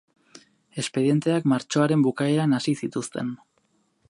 Espedienteak martxoaren bukaeran hasi zituzten.